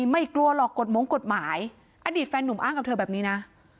ไม่กลัวหรอกกฎมงกฎหมายอดีตแฟนหนุ่มอ้างกับเธอแบบนี้นะ